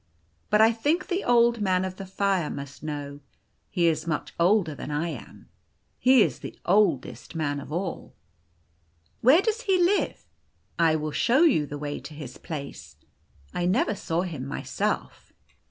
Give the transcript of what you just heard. But I think the Old Man of the Fire must know. He is much older than I am. He is the oldest man of all." " Where does he live ?"" I will show you the way to his place. I never saw him myself."